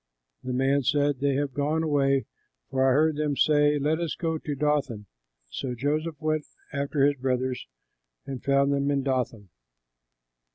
The man said, "They have gone away, for I heard them say, 'Let us go to Dothan.'" So Joseph went after his brothers and found them in Dothan.